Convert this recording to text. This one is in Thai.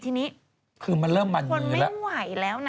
ทีนี้คือทนไม่ไหวแล้ว